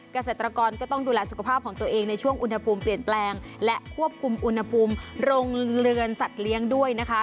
เกษตรกรก็ต้องดูแลสุขภาพของตัวเองในช่วงอุณหภูมิเปลี่ยนแปลงและควบคุมอุณหภูมิโรงเรือนสัตว์เลี้ยงด้วยนะคะ